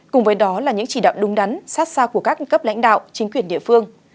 cùng với đó là những chỉ đạo đúng đắn sát xa của các cấp lãnh đạo chính quyền địa phương